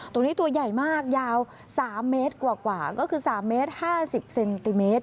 ตัวนี้ตัวใหญ่มากยาว๓เมตรกว่าก็คือ๓เมตร๕๐เซนติเมตร